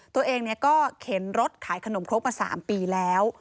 ตัวเองก็เข็นรถขายขนมครกมา๓ปีแล้ว